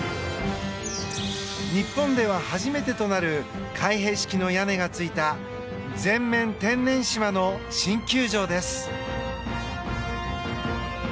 日本では初めてとなる開閉式の屋根がついた全面天然芝の新球場です。